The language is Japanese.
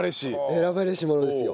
選ばれし者ですよ。